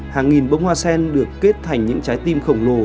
hàng nghìn bông hoa sen được kết thành những trái tim khổng lồ